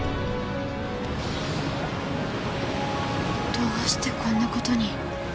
どうしてこんなことに。